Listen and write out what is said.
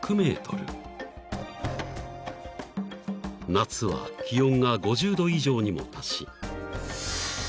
［夏は気温が５０℃以上にも達し］